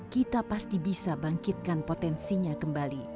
kita pasti bisa bangkitkan potensinya kembali